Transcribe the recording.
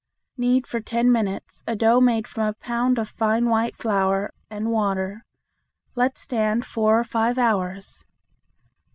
Knead for ten minutes a dough made from a pound of fine white flour and water. Let stand four or five hours.